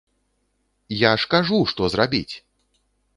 Я ж кажу, што зрабіць!